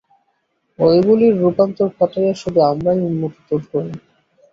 ঐগুলির রূপান্তর ঘটাইয়া শুধু আমরাই উন্নততর হই।